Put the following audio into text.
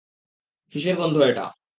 কীসের গন্ধ এটা?